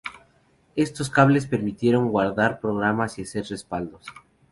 Estos cables permitieron guardar programas y hacer respaldos.